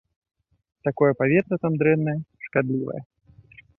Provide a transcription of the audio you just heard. Такое паветра там дрэннае, шкадлівае.